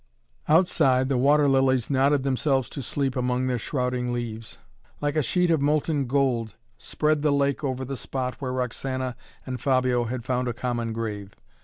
Outside the water lilies nodded themselves to sleep among their shrouding leaves. Like a sheet of molten gold spread the lake over the spot where Roxana and Fabio had found a common grave.